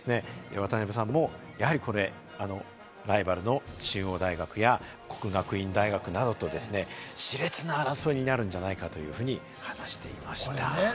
渡辺さんもライバルの中央大学や國學院大學などと熾烈な争いになるんじゃないかというふうに話していました。